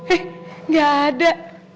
eh gak ada